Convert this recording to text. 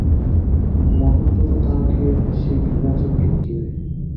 মহেন্দ্র তো তাহাকে সেই ঘৃণাচক্ষে দেখিবে।